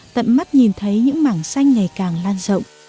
tận mắt nhìn thấy những mảng xanh ngày càng lan rộng